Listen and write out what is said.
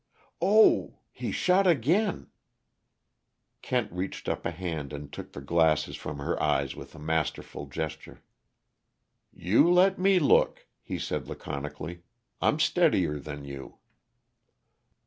Oh h he shot again!" Kent reached up a hand and took the glasses from her eyes with a masterful gesture. "You let me look," he said laconically. "I'm steadier than you."